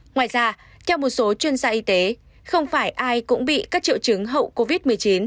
ngoài ra theo một số chuyên gia y tế không phải ai cũng bị các triệu chứng hậu covid một mươi chín